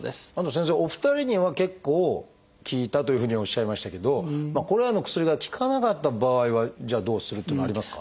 先生お二人には結構効いたというふうにおっしゃいましたけどこれらの薬が効かなかった場合はじゃあどうするというのはありますか？